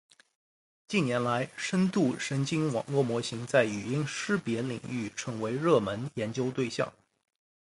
近年来，深度神经网络模型在语音识别领域成为热门研究对象。